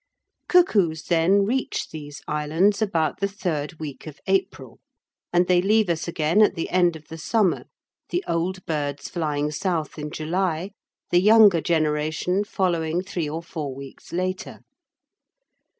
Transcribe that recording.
Cuckoos, then, reach these islands about the third week of April, and they leave us again at the end of the summer, the old birds flying south in July, the younger generation following three or four weeks later.